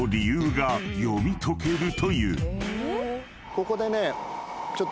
ここでね。